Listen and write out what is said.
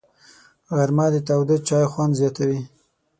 غرمه د تاوده چای خوند زیاتوي